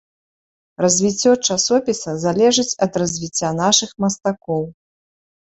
Развіццё часопіса залежыць ад развіцця нашых мастакоў.